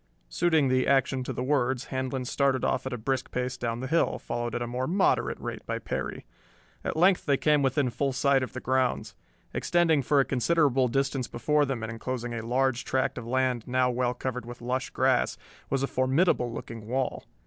Suiting the action to the words Handlon started off at a brisk pace down the hill, followed at a more moderate rate by Perry. At length they came within full sight of the grounds. Extending for a considerable distance before them and enclosing a large tract of land now well covered with lush grass, was a formidable looking wall.